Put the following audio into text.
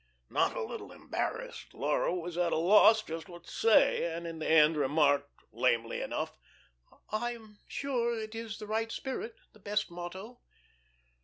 Not a little embarrassed, Laura was at a loss just what to say, and in the end remarked lamely enough: "I am sure it is the right spirit the best motto."